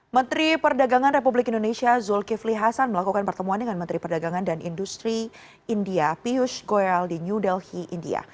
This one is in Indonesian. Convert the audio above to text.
menteri perdagangan republik indonesia zulkifli hasan melakukan pertemuan dengan menteri perdagangan dan industri india piush goyal di new delhi india